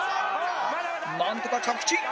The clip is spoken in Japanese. なんとか着地